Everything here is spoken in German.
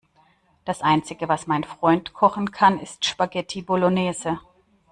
Das Einzige, was mein Freund kochen kann, ist Spaghetti Bolognese.